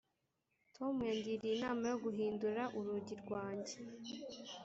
tom yangiriye inama yo guhindura urugi rwanjye.